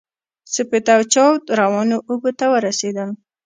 سپېده چاود روانو اوبو ته ورسېدل.